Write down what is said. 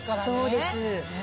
そうです。